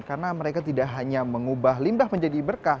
karena mereka tidak hanya mengubah limbah menjadi berkah